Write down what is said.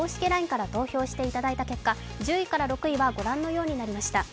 ＬＩＮＥから投票していただいた結果１０位から６位は御覧のようになりました。